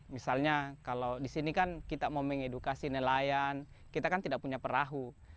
misalnya kalau di sini kan kita mau mengedukasi nelayan kita kan tidak punya perahu